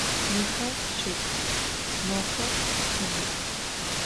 Mıxer şşıx, moxer çemıx.